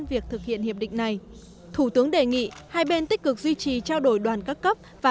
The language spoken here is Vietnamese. việc thực hiện hiệp định này thủ tướng đề nghị hai bên tích cực duy trì trao đổi đoàn các cấp và